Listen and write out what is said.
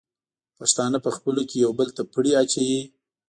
پښتانه په خپلو کې یو بل ته پړی اچوي.